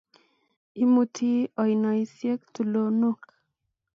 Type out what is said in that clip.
Imutii oinosiek tulonok